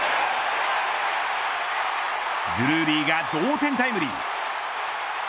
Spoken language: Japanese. ドゥルーリーが同点タイムリー。